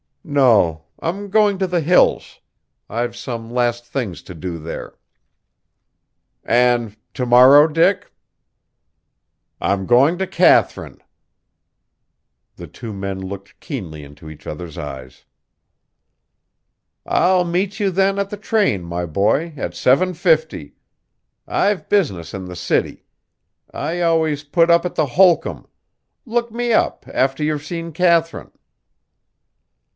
"No. I'm going to the Hills. I've some last things to do there." "And to morrow, Dick?" "I'm going to Katharine!" The two men looked keenly into each other's eyes. "I'll meet you then at the train, my boy, at 7.50. I've business in the city. I always put up at the Holcomb; look me up after you've seen Katharine."